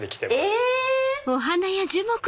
え！